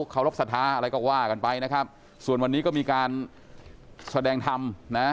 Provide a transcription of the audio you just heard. เคารพสัทธาอะไรก็ว่ากันไปนะครับส่วนวันนี้ก็มีการแสดงธรรมนะ